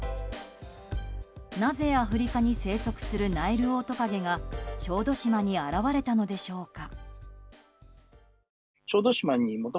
なぜアフリカに生息するナイルオオトカゲが小豆島に現れたのでしょうか。